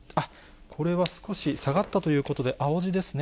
これは少し下がったということで、青字ですね。